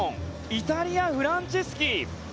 イタリア、フランチェスキ。